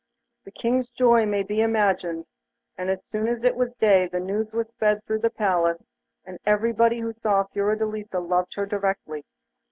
The King's joy may be imagined, and as soon as it was day the news was spread through the palace, and everybody who saw Fiordelisa loved her directly.